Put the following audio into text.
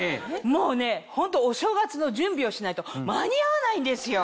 もうホントお正月の準備をしないと間に合わないんですよ。